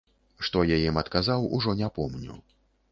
Што я ім адказаў, ужо не помню.